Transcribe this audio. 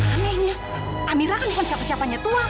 anehnya amira kan bukan siapa siapanya tua